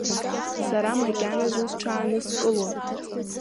Сара макьаназы сҽааныскылон…